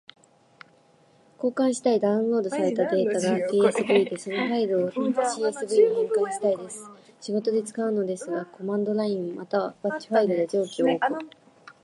Q.tsv ファイルを csv ファイルに変換したいダウンロードされたデータが tsv で、そのファイルを csv に変換したいです。仕事で使うのですが、コマンドラインまたはバッチファイルで上記を行...